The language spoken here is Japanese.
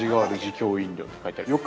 強飲料って書いてありますね。